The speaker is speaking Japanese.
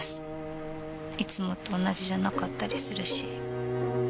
いつもと同じじゃなかったりするし。